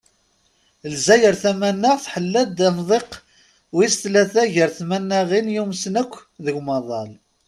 Lezzayer tamanaɣt tḥella-d amkan wis tlata gar tmanaɣin yumsen akk deg umaḍal.